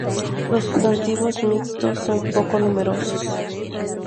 Los sustantivos mixtos son poco numerosos.